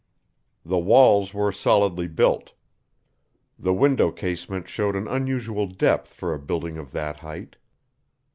The walls were solidly built. The window casement showed an unusual depth for a building of that height.